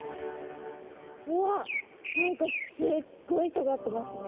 うわ何かすっごいとがってますね。